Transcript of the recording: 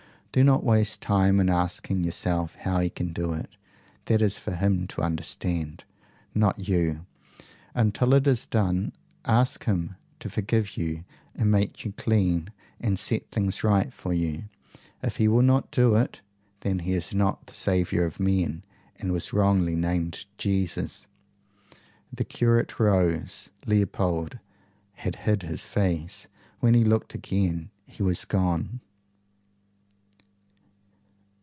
Do not waste time in asking yourself how he can do it: that is for him to understand, not you until it is done. Ask him to forgive you and make you clean and set things right for you. If he will not do it, then he is not the saviour of men, and was wrongly named Jesus." The curate rose. Leopold had hid his face. When he looked again he was gone.